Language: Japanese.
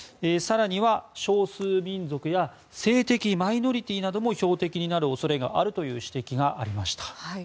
更には少数民族や性的マイノリティーなども標的になる恐れがあるという指摘がありました。